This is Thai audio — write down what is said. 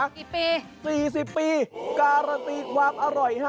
กี่ปี๔๐ปีการันตีความอร่อยฮะ